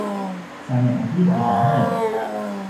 Thame owite caje